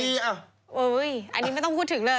อันนี้ไม่ต้องพูดถึงเลย